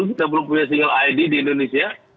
kita belum punya single id di indonesia